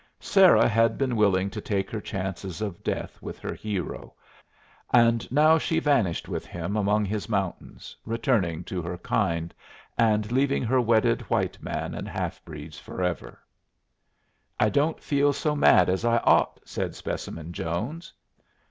Sarah had been willing to take her chances of death with her hero, and now she vanished with him among his mountains, returning to her kind, and leaving her wedded white man and half breeds forever. "I don't feel so mad as I ought," said Specimen Jones.